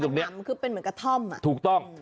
ขนำคือเป็นเหมือนกับถ้อมอ่ะถูกต้อง